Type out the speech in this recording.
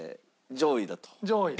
上位。